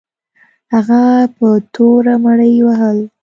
هغه په توره مړي وهل.